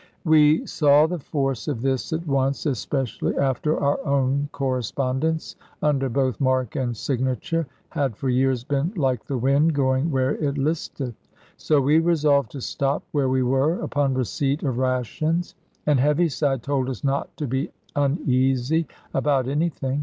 We saw the force of this at once, especially after our own correspondence (under both mark and signature) had for years been like the wind, going where it listeth. So we resolved to stop where we were, upon receipt of rations; and Heaviside told us not to be uneasy about anything.